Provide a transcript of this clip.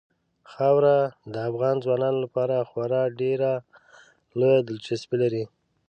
خاوره د افغان ځوانانو لپاره خورا ډېره لویه دلچسپي لري.